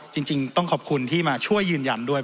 จริงต้องขอบคุณที่มาช่วยยืนยันด้วย